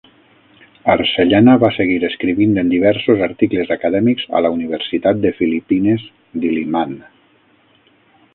Arcellana va seguir escrivint en diversos articles acadèmics a la Universitat de Philippines Diliman.